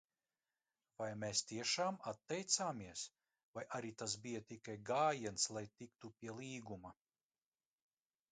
Vai mēs tiešām atteicāmies, vai arī tas bija tikai gājiens, lai tiktu pie līguma?